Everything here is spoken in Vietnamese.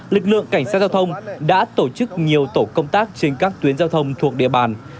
lực lượng cảnh sát giao thông đã tổ chức nhiều tổ công tác trên các tuyến giao thông thuộc địa bàn